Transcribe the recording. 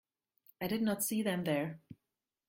I did not see them there.